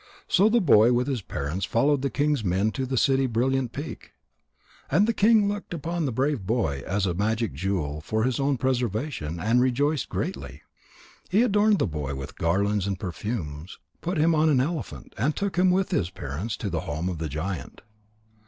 So the boy with his parents followed the king's men to the city Brilliant peak. And the king looked upon the brave boy as a magic jewel for his own preservation, and rejoiced greatly. He adorned the boy with garlands and perfumes, put him on an elephant, and took him with his parents to the home of the giant.